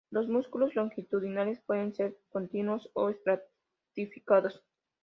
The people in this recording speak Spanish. Los músculos longitudinales pueden ser continuos o estratificados.